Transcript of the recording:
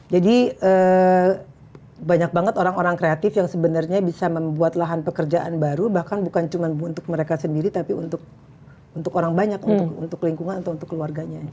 jadi banyak banget orang orang kreatif yang sebenarnya bisa membuat lahan pekerjaan baru bahkan bukan cuma untuk mereka sendiri tapi untuk orang banyak untuk lingkungan untuk keluarganya